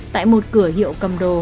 tại một cửa hiệu cầm đồ